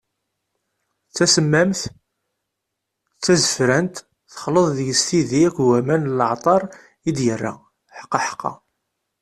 D tasemmamt, d tazefrant, texleḍ deg-s tidi akked waman n leɛṭer i d-yerra, ḥqaḥqa!